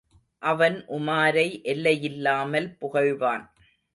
அவன் உமாரை எல்லையில்லாமல் புகழ்வான்.